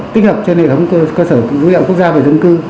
tích hợp trên hệ thống cơ sở dữ liệu quốc gia về dân cư